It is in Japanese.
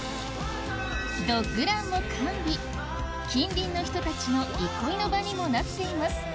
ドッグランも完備近隣の人たちの憩いの場にもなっています